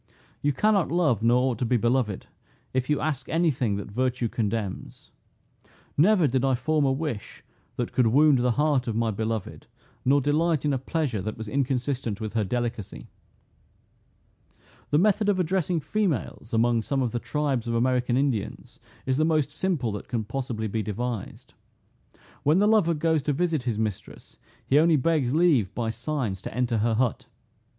You cannot love, nor ought to be beloved, if you ask any thing that virtue condemns. Never did I form a wish that could wound the heart of my beloved, nor delight in a pleasure that was inconsistent with her delicacy." The method of addressing females, among some of the tribes of American Indians, is the most simple that can possibly be devised. When the lover goes to visit his mistress, he only begs leave, by signs, to enter her hut.